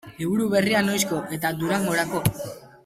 Liburu berria noizko eta Durangorako?